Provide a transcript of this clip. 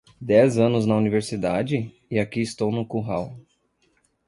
Dez anos na universidade? e aqui estou num curral.